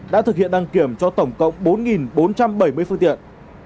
đã thực hiện đăng kiểm cho tổng cộng bốn bốn trăm bảy mươi phương tiện